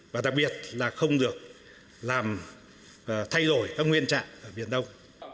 và đặc biệt là không được làm thay đổi các nguyên trạng ở biển đông